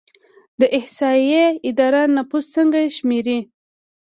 د احصایې اداره نفوس څنګه شمیري؟